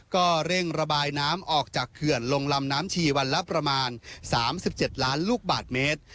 ก็เร่งระบายน้ำออกจากเขื่อนลงลำน้ำชีวันละประมาณ๓๗ล้านลูกบาทเมตร